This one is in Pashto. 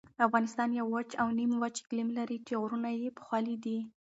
افغانستان یو وچ او نیمه وچ اقلیم لري چې غرونه یې پوښلي دي.